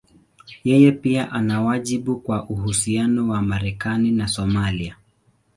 Yeye pia ana wajibu kwa uhusiano wa Marekani na Somalia.